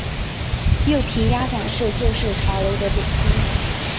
柚皮鸭掌是旧式茶楼的点心。